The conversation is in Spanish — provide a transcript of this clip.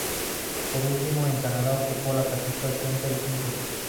Por último, en Canadá ocupó la casilla ochenta y cinco.